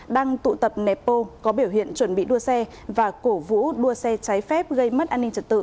đang tụ tập nẹp bô có biểu hiện chuẩn bị đua xe và cổ vũ đua xe trái phép gây mất an ninh trật tự